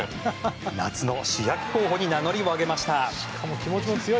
夏の主役候補に名乗りを上げました。